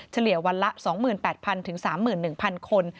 เฉลี่ยวันละ๒๘๐๐๐๓๑๐๐คน